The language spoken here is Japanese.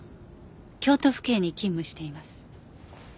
京都府警に勤務しています。